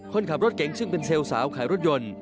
คนขับรถเก๋งซึ่งเป็นเซลล์สาวขายรถยนต์